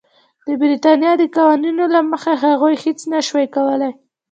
د برېټانیا د قوانینو له مخې هغوی هېڅ نه شوای کولای.